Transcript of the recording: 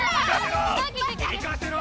行かせろ！